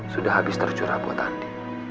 sudah habis tercurah buat andi